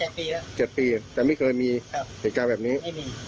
เจ็ดปีแล้วเจ็ดปีแต่ไม่เคยมีครับเหตุการณ์แบบนี้ไม่มี